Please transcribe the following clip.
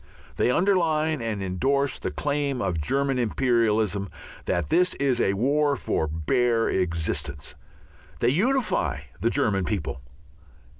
They underline and endorse the claim of German imperialism that this is a war for bare existence. They unify the German people.